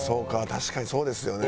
確かにそうですよね。